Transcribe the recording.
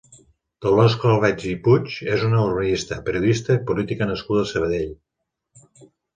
Dolors Calvet i Puig és una urbanista, periodista i política nascuda a Sabadell.